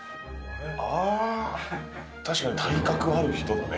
あー、確かに体格ある人だね。